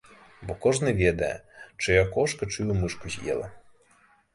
Бо кожны ведае, чыя кошка чыю мышку з'ела.